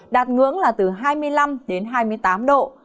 đạt ngưỡng là từ hai mươi năm đến hai mươi tám độ